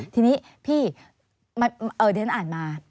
ทีนี้ท่านอ่านมา